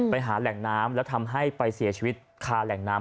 ไปหาแหล่งน้ำแล้วทำให้ไปเสียชีวิตคาแหล่งน้ำ